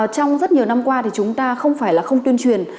trong rất nhiều năm qua thì chúng ta không phải là không tuyên truyền